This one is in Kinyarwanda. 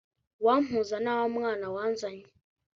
wampuza nawamwana mwazanye